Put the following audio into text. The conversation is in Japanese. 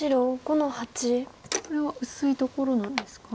これは薄いところなんですか？